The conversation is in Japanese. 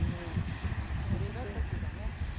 このしらたきがね